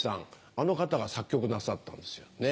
あの方が作曲なさったんですよね。